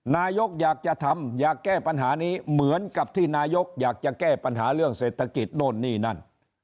นายกอยากจะทำอยากแก้ปัญหานี้เหมือนกับที่นายกอยากจะแก้ปัญหาเรื่องเศรษฐกิจโน่นนี่นั่น